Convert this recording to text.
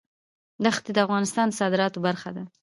دښتې د افغانستان د صادراتو برخه ده.